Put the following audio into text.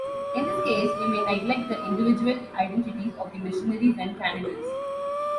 In this case we may neglect the individual identities of the missionaries and cannibals.